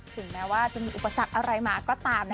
ถึงแม้ว่าจะมีอุปสรรคอะไรมาก็ตาม